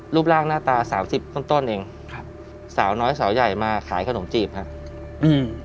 รูปร่างหน้าตาสามสิบต้นต้นเองครับสาวน้อยสาวใหญ่มาขายขนมจีบครับอืม